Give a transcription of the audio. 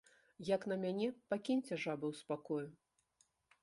Як на мяне, пакіньце жабы ў спакою!